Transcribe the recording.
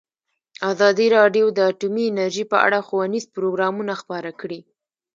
ازادي راډیو د اټومي انرژي په اړه ښوونیز پروګرامونه خپاره کړي.